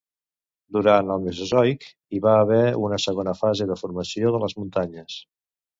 Durant el Mesozoic, hi va haver una segona fase de formació de les muntanyes.